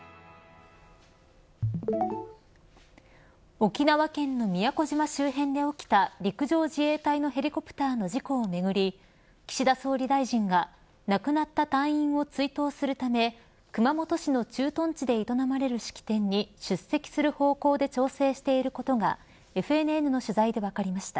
沖縄県の宮古島周辺で起きた陸上自衛隊のヘリコプターの事故をめぐり岸田総理大臣が亡くなった隊員を追悼するため熊本市の駐屯地で営まれる式典に出席する方向で調整していることがＦＮＮの取材で分かりました。